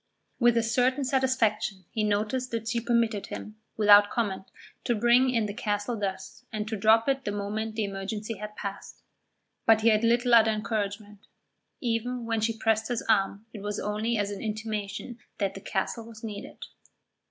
With a certain satisfaction he noticed that she permitted him, without comment, to bring in the castle thus and to drop it the moment the emergency had passed. But he had little other encouragement. Even when she pressed his arm it was only as an intimation that the castle was needed.